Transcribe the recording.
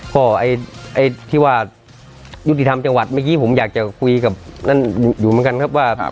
ก็ไอ้ที่ว่ายุติธรรมจังหวัดเมื่อกี้ผมอยากจะคุยกับนั่นอยู่เหมือนกันครับว่า